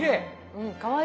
うんかわいい。